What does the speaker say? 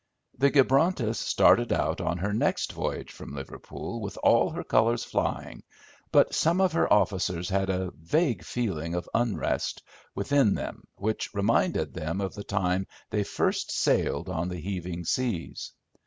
The Gibrontus started out on her next voyage from Liverpool with all her colours flying, but some of her officers had a vague feeling of unrest within them which reminded them of the time they first sailed on the heaving seas.